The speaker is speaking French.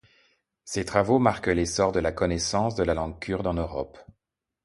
Ses travaux marquent l'essor de la connaissance de la langue kurde en Europe.